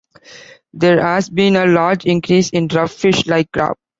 There has been a large increase in rough fish like carp.